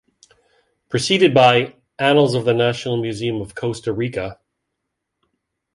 Preceded by "Annals of the National Museum of Costa Rica".